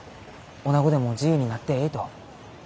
おなごでも自由になってえいと。